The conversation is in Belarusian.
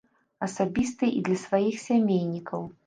Асабістае і для сваіх сямейнікаў.